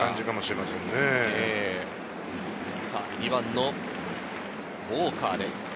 ２番のウォーカーです。